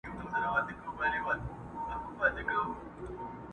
د عُمر زکندن ته شپې یوه، یوه لېږمه،